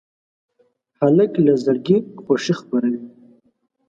هلک له زړګي خوښي خپروي.